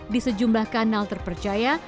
di sejumlah kanal terpercaya